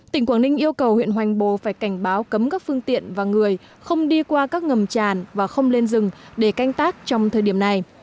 tỉnh quảng ninh yêu cầu huyện hoành bồ phải cảnh báo cấm các phương tiện và người không đi qua các ngầm tràn và không lên rừng để canh tác trong thời điểm này